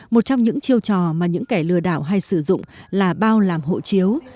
một trong những chiêu trò mà những kẻ lừa đảo hay sử dụng là bao làm hộ chiếu